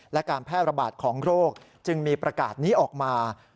และการแพร่ระบาดของโรคจึงมีประกาศนี้ออกมา